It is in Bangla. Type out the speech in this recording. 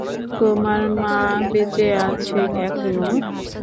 তোমার মা বেঁচে আছে এখনো?